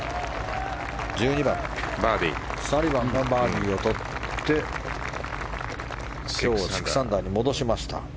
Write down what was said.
サリバンがバーディーをとって今日今日６アンダーに戻しました。